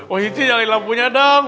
wah ini nyalain lampunya dong